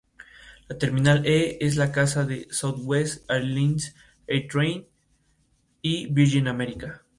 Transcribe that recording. La terminal E es la casa de Southwest Airlines, AirTran y Virgin America.